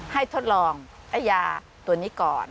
ให้ทดลองยาตัวนี้ก่อน